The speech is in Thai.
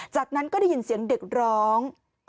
จากนั้นก็ได้ยินเสียงเด็กร้อง